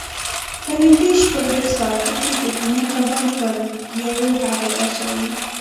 په نږدې شپږ دېرش ساعتو کې ښځینه کبان پر ګیاوو هګۍ اچوي.